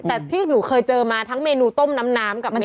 แต่ที่หนูเคยเจอมาทั้งเมนูต้มน้ำกับเม